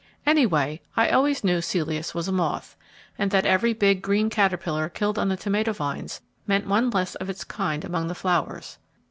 Anyway, I always knew Celeus was a moth, and that every big, green caterpillar killed on the tomato vines meant one less of its kind among the flowers.